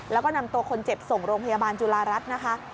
แล้วก็นำตัวคนเจ็บส่งโรงพยาบาลจุฬารัฐนะคะ